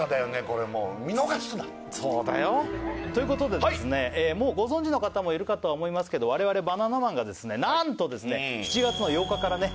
これもうそうだよということでですねもうご存じの方もいるかとは思いますけど我々バナナマンがですねなんとですね７月の８日からね